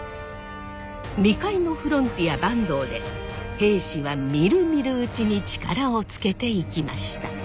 未開のフロンティア坂東で平氏はみるみるうちに力をつけていきました。